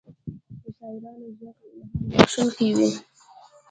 د شاعرانو ږغ الهام بښونکی وي.